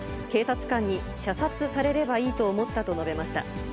警察官に射殺されればいいと思ったと述べました。